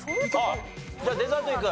じゃあデザートいく？